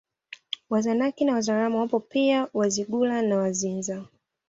Wazanaki na Wazaramo wapo pia Wazigula na Wazinza